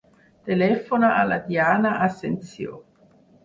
Telefona a la Diana Asensio.